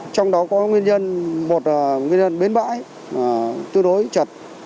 trong đó có nguyên nhân một là nguyên nhân bến bãi tương đối chật